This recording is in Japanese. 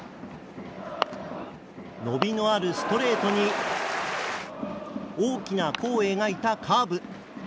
伸びのあるストレートに大きな弧を描いたカーブ。